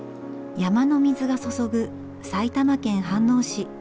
山の水が注ぐ埼玉県飯能市。